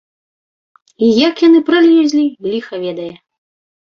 І як яны пралезлі, ліха ведае!